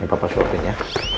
ini papa suapin ya